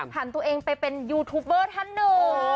ทานตัวเองไปเป็นยูทูบเบอร์ทันนรก